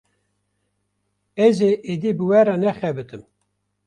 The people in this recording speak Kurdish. Ez ê êdî bi we re nexebitim.